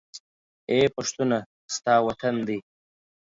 اې پښتونه! ستا وطن دى